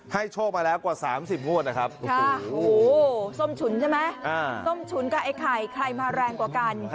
โชคมาแล้วกว่า๓๐งวดนะครับส้มฉุนใช่ไหมส้มฉุนกับไอ้ไข่ใครมาแรงกว่ากัน